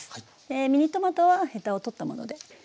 ミニトマトはヘタを取ったものではい。